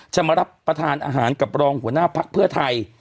จะมารับประทานอาหารกับรองหัวหน้าภักดิ์เพื่อไทย